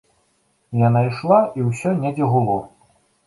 Яна ішла, і ўсё недзе гуло.